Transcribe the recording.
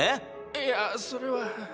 いやそれは。